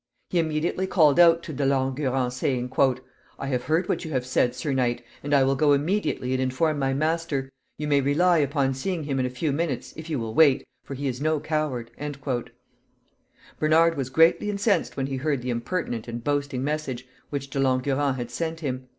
He immediately called out to De Langurant, saying, "I have heard what you have said, Sir Knight, and I will go immediately and inform my master. You may rely upon seeing him in a few minutes, if you will wait, for he is no coward." Bernard was greatly incensed when he heard the impertinent and boasting message which De Langurant had sent him.